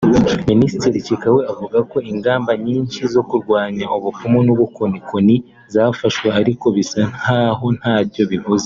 Minisitiri Chikawe avuga ko ingamba nyinshi zo kurwanya ubupfumu n’ubukonikoni zafashwe ariko bisa ntaho ntacyo bivuze